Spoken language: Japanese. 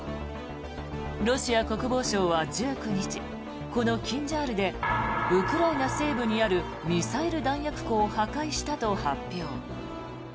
ロシア国防省は１９日このキンジャールでウクライナ西部にあるミサイル弾薬庫を破壊したと発表。